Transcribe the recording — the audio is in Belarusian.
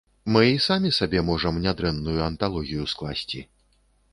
Мы і самі сабе можам нядрэнную анталогію скласці.